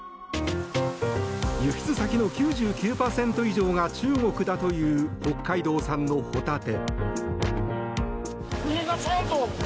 輸出先の９９％以上が中国だという北海道産のホタテ。